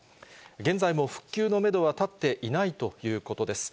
現在も復旧のメドは立っていないということです。